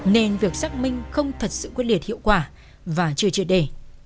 nên việc xác minh không thật sự quyết liệt hiệu quả và chưa triệt để